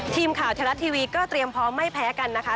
ทีมข่าวไทยรัฐทีวีก็เตรียมพร้อมไม่แพ้กันนะคะ